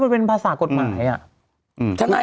ก็เป็นภาษากฎหมาย